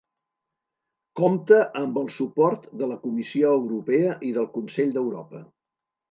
Compta amb el suport de la Comissió Europea i del Consell d'Europa.